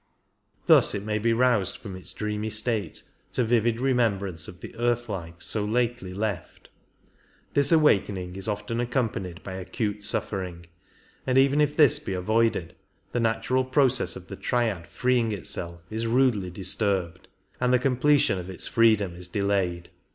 Thus it may be roused from its dreamy state to vivid remembrance of the earth Hfe so lately left. This awakening is often accompanied by acute suffering, and even if this be avoided the natural process of the Triad freeing itself is rudely disturbed, and the completion of its freedom is delayed."